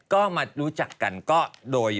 ก็มารู้จักกันก็โดย